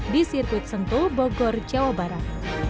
di sirkuit sentul bogor jawa barat